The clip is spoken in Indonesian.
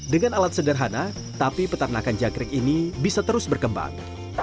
dengan alat sederhana tapi peternakan jangkrik ini bisa terus berkembang